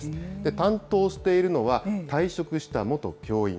担当しているのは、退職した元教員。